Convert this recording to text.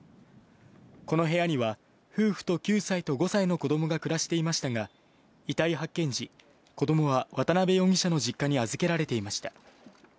この部屋には、夫婦と９歳と５歳の子どもが暮らしていましたが、遺体発見時、子どもは渡辺容疑者の実家に預けられていました。